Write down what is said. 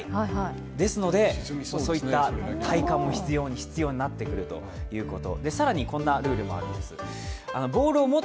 ですので、体幹も必要になってくるということ。